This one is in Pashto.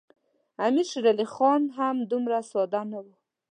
امیر شېر علي خان هم دومره ساده نه وو.